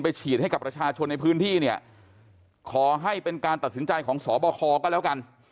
ฉีดให้กับประชาชนในพื้นที่เนี่ยขอให้เป็นการตัดสินใจของสบคก็แล้วกัน